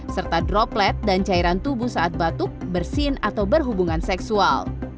serta droplet dan cairan tubuh saat batuk bersin atau berhubungan seksual